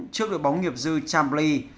trước đội bóng nghiệp dư champli